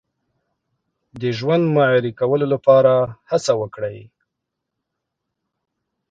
د ژوند معیاري کولو لپاره هڅه وکړئ.